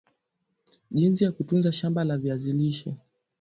jinsi ya kutunza shamba la viazi lishe